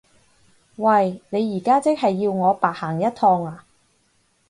喂！你而家即係要我白行一趟呀？